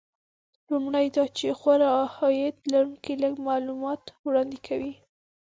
لومړی دا چې غوره عاید لرونکي لږ معلومات وړاندې کوي